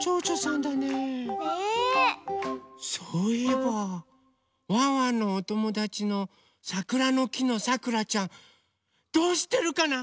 そういえばワンワンのおともだちのさくらのきのさくらちゃんどうしてるかな？